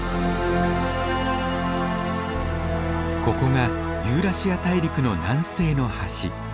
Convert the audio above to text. ここがユーラシア大陸の南西の端。